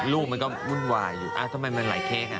ลูกมันก็วุ่นวายอยู่ทำไมมันหลายเค้กอ่ะ